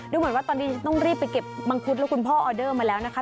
เหมือนว่าตอนนี้ต้องรีบไปเก็บมังคุดแล้วคุณพ่อออเดอร์มาแล้วนะคะ